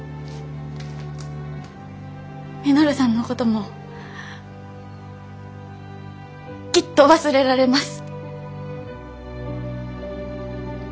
稔さんのこともきっと忘れられます。